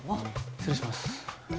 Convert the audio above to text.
失礼します。